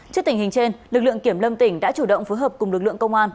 trước tình hình trên lực lượng kiểm lâm tỉnh đã chủ động phối hợp cùng lực lượng công an